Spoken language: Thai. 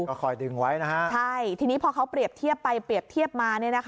ก็คอยดึงไว้นะฮะใช่ทีนี้พอเขาเปรียบเทียบไปเปรียบเทียบมา